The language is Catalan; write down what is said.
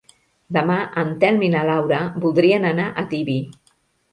Demà en Telm i na Laura voldrien anar a Tibi.